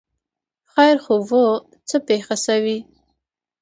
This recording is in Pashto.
ـ خیر خو وو، څه پېښه شوې؟